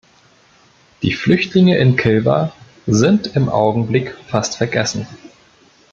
Die Flüchtlinge in Kilwa sind im Augenblick fast vergessen.